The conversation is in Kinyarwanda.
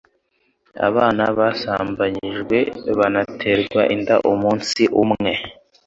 abana basambanyijwe bana terwa inda umunsi umwe .